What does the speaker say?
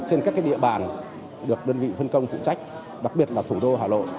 trên các địa bàn được đơn vị phân công phụ trách đặc biệt là thủ đô hà nội